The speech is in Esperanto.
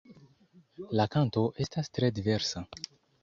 La kanto estas tre diversa.